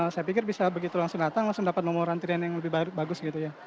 saya pikir bisa begitu langsung datang langsung dapat nomor rantrian yang lebih bagus